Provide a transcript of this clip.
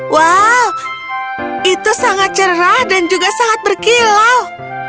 wow itu sangat cerah dan juga sangat berkilau